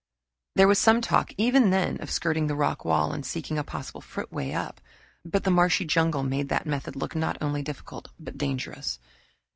There was some talk, even then, of skirting the rock wall and seeking a possible footway up, but the marshy jungle made that method look not only difficult but dangerous.